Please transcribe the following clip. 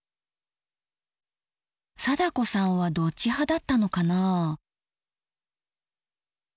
貞子さんはどっち派だったのかな？